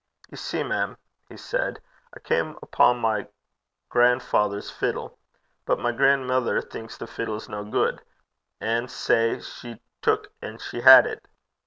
'Ye see, mem,' he said, 'I cam' upo' my grandfather's fiddle. But my grandmither thinks the fiddle's no gude. And sae she tuik and she hed it.